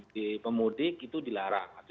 dipemudik itu dilarang